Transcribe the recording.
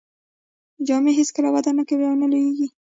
جامې هیڅکله وده نه کوي او نه هم لوییږي.